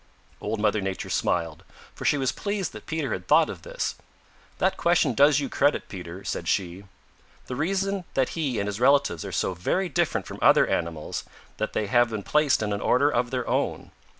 Old Mother Nature smiled, for she was pleased that Peter had thought of this. "That question does you credit, Peter," said she. "The reason is that he and his relatives are so very different from other animals that they have been placed in an order of their own.